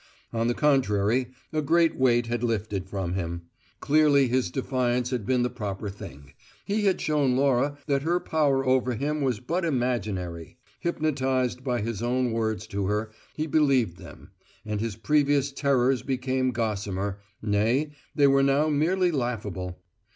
On the contrary, a great weight had lifted from him; clearly his defiance had been the proper thing; he had shown Laura that her power over him was but imaginary. Hypnotized by his own words to her, he believed them; and his previous terrors became gossamer; nay, they were now merely laughable.